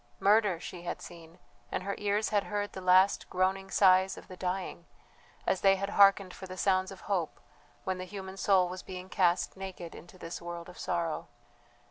Murder she had seen; and her ears had heard the last groaning sighs of the dying, as they had hearkened for the sounds of hope when the human soul was being cast naked into this world of sorrow.